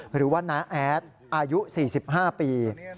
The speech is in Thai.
หรือว่าน้าแอดอายุ๔๕ปี